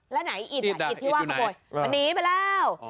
แล้วไหนอิฐนะอิฐที่ว่าขโมยหนีไปแล้ว